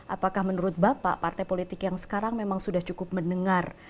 apakah menurut bapak partai politik yang sekarang memang sudah cukup mendengar